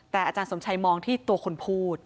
แต่อาจารย์สมชัยมองที่ตัวคนพูด